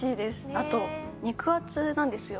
あと肉厚なんですよ。